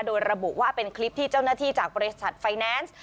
โดยระบุว่าเป็นคลิปที่เจ้าหน้าที่จากบริษัทไฟแนนซ์